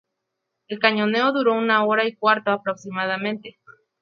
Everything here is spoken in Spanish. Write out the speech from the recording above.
El cañoneo duró una hora y cuarto aproximadamente.